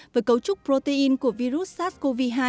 với cấu trúc protein của virus sars cov hai